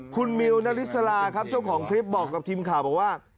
คุณมิวนริสลาครับเจ้าของคลิปบอกกับทีมข่าวบอกว่า